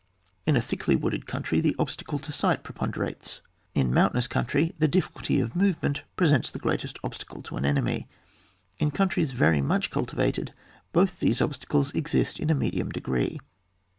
In a thickly wooded country the ob stacle to sight preponderates ; in a moun tainous country, the difficulty of move ment presents the greatest obstacle to an enemy ; in countries very much cultivated both these obstacles exist in a medium degree.